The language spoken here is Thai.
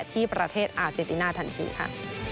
ที่ประเทศอาเจนติน่าทันทีค่ะ